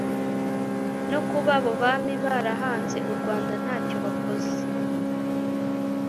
no kuba abo bami barahanze u Rwanda ntacyo bakoze